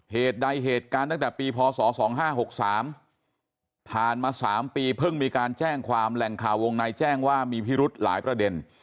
เหตุใดเหตุการณ์ตั้งแต่ปีพศ๒๕๖๓ผ่านมา๓ปีเพิ่งมีการแจ้งความแหล่งข่าววงในแจ้งว่ามีพิรุธหลายประเด็น